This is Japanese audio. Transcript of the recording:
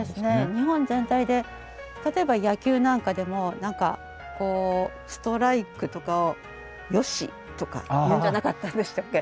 日本全体で例えば野球なんかでも何かこうストライクとかを「よし」とか言うんじゃなかったんでしたっけ？